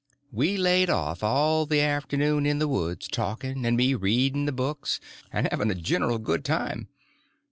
We laid off all the afternoon in the woods talking, and me reading the books, and having a general good time.